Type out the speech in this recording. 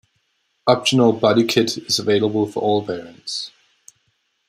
Optional body kit is available for all variants.